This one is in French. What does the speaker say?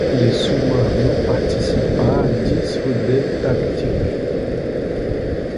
Le sous-marin participa à dix Rudeltaktik.